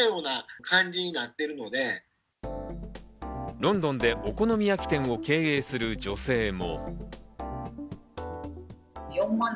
ロンドンでお好み焼き店を経営する女性も。